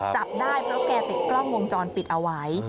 จับได้เพราะแกติดกล้องวงจรปิดเอาไว้